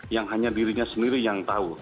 yang hanya dirinya sendiri yang tahu